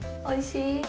おいしい？